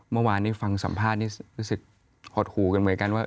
เมื่อวานนี้ฟังสัมภาษณ์นี่รู้สึกหดหูกันเหมือนกันว่า